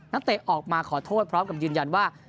เตะออกมาขอโทษพร้อมกับยืนยันว่า